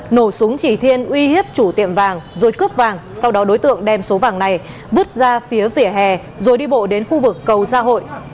nổ súng chỉ thiên uy hiếp chủ tiệm vàng rồi cướp vàng sau đó đối tượng đem số vàng này vứt ra phía vỉa hè rồi đi bộ đến khu vực cầu gia hội